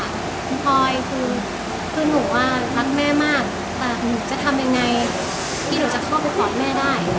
คุณพลอยคือหนูว่ารักแม่มากแต่หนูจะทำยังไงที่หนูจะเข้าไปกอดแม่ได้